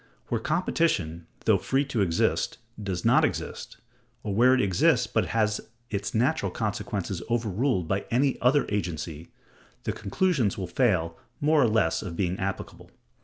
Where competition, though free to exist, does not exist, or where it exists, but has its natural consequences overruled by any other agency, the conclusions will fail more or less of being applicable.